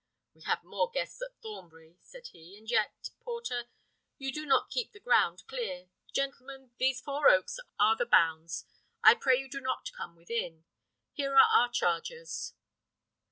"We have more guests at Thornbury," said he; "and yet, porter, you do not keep the ground clear. Gentlemen, these four oaks are the bounds; I pray you do not come within. Here are our chargers."